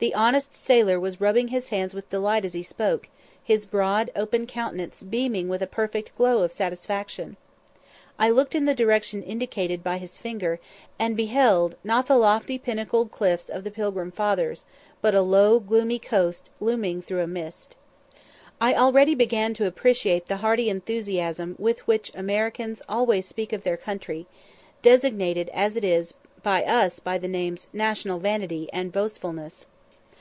The honest sailor was rubbing his hands with delight as he spoke, his broad, open countenance beaming with a perfect glow of satisfaction. I looked in the direction indicated by his finger, and beheld, not the lofty pinnacled cliffs of the "Pilgrim Fathers," but a low gloomy coast, looming through a mist. I already began to appreciate the hearty enthusiasm with which Americans always speak of their country, designated as it is by us by the names "National vanity," and "Boastfulness."